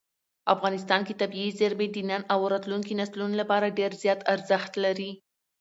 افغانستان کې طبیعي زیرمې د نن او راتلونکي نسلونو لپاره ډېر زیات ارزښت لري.